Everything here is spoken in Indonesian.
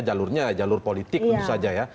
jalurnya jalur politik tentu saja ya